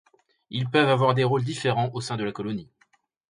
Ils peuvent avoir des rôles différents au sein de la colonie.